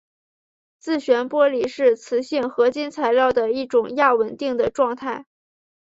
自旋玻璃是磁性合金材料的一种亚稳定的状态。